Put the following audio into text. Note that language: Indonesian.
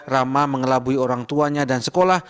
rama mengelabui orang tuanya dan sekolah